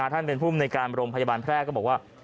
ท่านเป็นภูมิในการโรงพยาบาลแพร่ก็บอกว่า